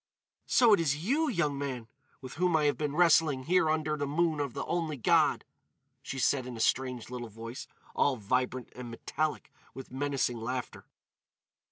"So it is you, young man, with whom I have been wrestling here under the moon of the only God!" she said in a strange little voice, all vibrant and metallic with menacing laughter.